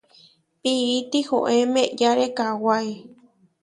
Pií tihoé meʼyáre kawái.